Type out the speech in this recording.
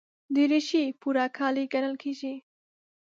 دریشي پوره کالي ګڼل کېږي.